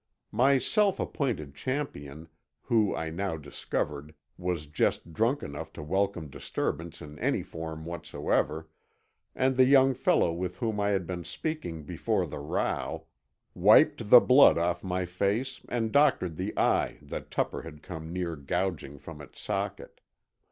My self appointed champion—who, I now discovered, was just drunk enough to welcome disturbance in any form whatsoever—and the young fellow with whom I had been speaking before the row, wiped the blood off my face and doctored the eye that Tupper had come near gouging from its socket.